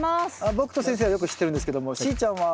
僕と先生はよく知ってるんですけどもしーちゃんははじめまして。